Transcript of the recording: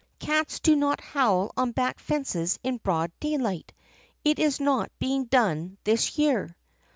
Cats do not howl on back fences in broad daylight. It is not being done this year.